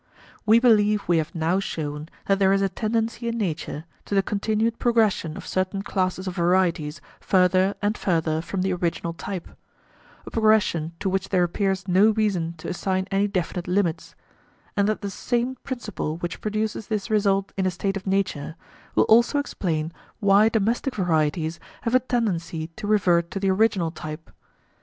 We believe we have now shown that there is a tendency in nature to the continued progression of certain classes of varieties further and further from the original type a progression to which there appears no reason to assign any definite limits and that the same principle which produces this result in a state of nature will also explain why domestic varieties have a tendency to revert to the original type.